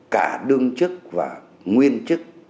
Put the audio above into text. cả đương chức và nguyên chức